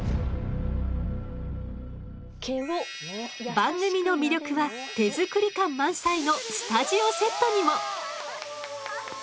番組の魅力は手作り感満載のスタジオセットにも。